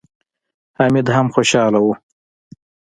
حميد هم خوشاله و.